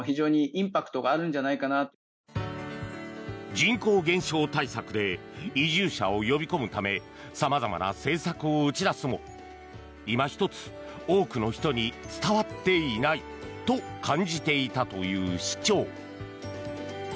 人口減少対策で移住者を呼び込むため様々な政策を打ち出すもいま一つ多くの人に伝わっていないと感じていたという市長。